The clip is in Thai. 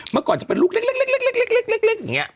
เมื่อก่อนจะเป็นลูกเล็กเล็กเล็กเล็กเล็กเล็กเล็กเล็กอย่างเงี้ย